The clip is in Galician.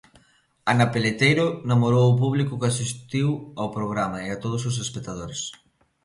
Ana Peleteiro namorou o público que asistiu ao programa e a todos os espectadores.